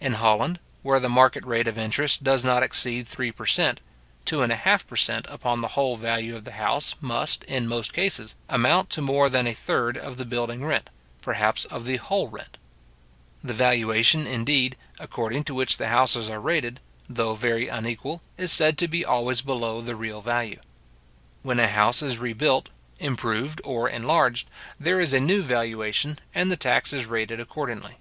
In Holland, where the market rate of interest does not exceed three per cent., two and a half per cent. upon the whole value of the house must, in most cases, amount to more than a third of the building rent, perhaps of the whole rent. The valuation, indeed, according to which the houses are rated, though very unequal, is said to be always below the real value. When a house is rebuilt, improved, or enlarged, there is a new valuation, and the tax is rated accordingly.